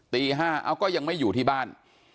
ตี๕เอาก็ยังไม่อยู่ที่บ้าน